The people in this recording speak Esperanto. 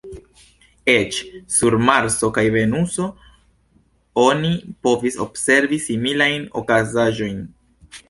Eĉ sur Marso kaj Venuso oni povis observi similajn okazaĵojn.